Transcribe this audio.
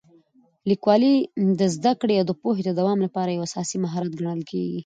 لیکوالی د زده کړې او پوهې د دوام لپاره یو اساسي مهارت ګڼل کېږي.